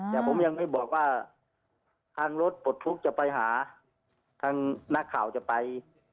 แต่ผมยังไม่บอกว่าทางรถปลดทุกข์จะไปหาทางนักข่าวจะไป